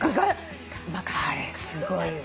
あれすごいわ。